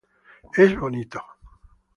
Es bonito.